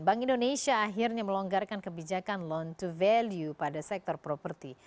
bank indonesia akhirnya melonggarkan kebijakan loan to value pada sektor properti